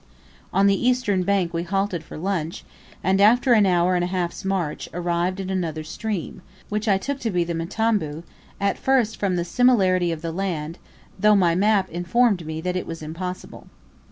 On the eastern bank we halted for lunch, and, after an hour and a half's march, arrived at another stream, which I took to be the Mtambu, at first from the similarity of the land, though my map informed me that it was impossible.